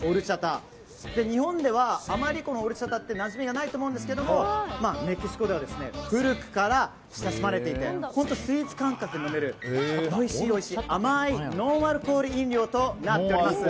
日本では、あまりオルチャタはなじみがないと思うんですけどメキシコでは古くから親しまれていてスイーツ感覚で飲めるおいしい甘いノンアルコール飲料となってます。